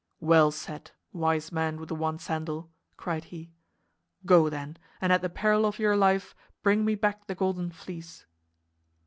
"Well said, wise man with the one sandal!" cried he. "Go, then, and at the peril of your life bring me back the Golden Fleece!"